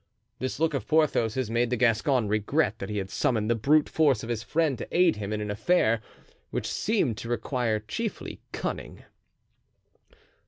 This look of Porthos's made the Gascon regret that he had summoned the brute force of his friend to aid him in an affair which seemed to require chiefly cunning.